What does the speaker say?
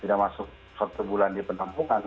tidak masuk satu bulan di penampungan